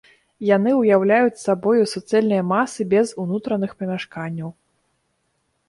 Яны ўяўляюць сабою суцэльныя масы без унутраных памяшканняў.